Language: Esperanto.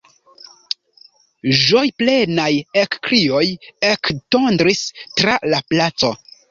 Ĝojplenaj ekkrioj ektondris tra la placo.